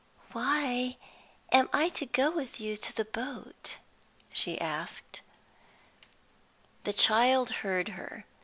"Why am I to go with you to the boat?" she asked. The child heard her.